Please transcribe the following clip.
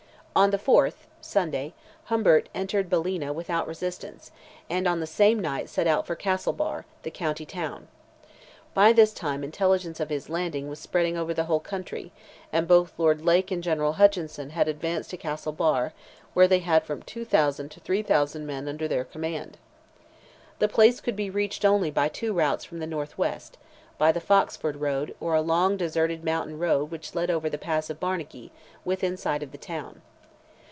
On the 4th, (Sunday,) Humbert entered Ballina without resistance, and on the same night set out for Castlebar, the county town. By this time intelligence of his landing was spread over the whole country, and both Lord Lake and General Hutchinson had advanced to Castlebar, where they had from 2,000 to 3,000 men under their command. The place could be reached only by two routes from the north west, by the Foxford road, or a long deserted mountain road which led over the pass of Barnagee, within sight of the town.